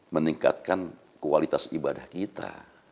meningkatkan kualitas ibadah kita